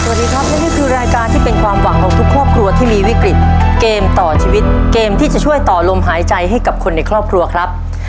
สวัสดีครับและนี่คือรายการที่เป็นความหวังของทุกครอบครัวที่มีวิกฤตเกมต่อชีวิตเกมที่จะช่วยต่อลมหายใจให้กับคนในครอบครัวครับ